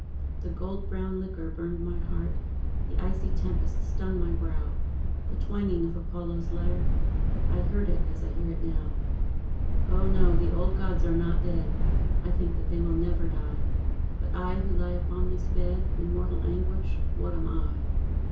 The gold brown liquor burned my heart, The icy tempest stung my brow: The twanging of Apollo's lyre I heard it as I hear it now. O no, the old gods are not dead: I think that they will never die; But, I, who lie upon this bed In mortal anguish what am I?